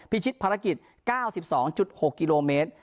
พิชิตภารกิจ๙๒๖กิโลเมตร